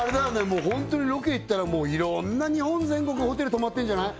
もうホントにロケ行ったらいろんな日本全国ホテル泊まってんじゃない？